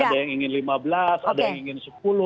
ada yang ingin lima belas ada yang ingin sepuluh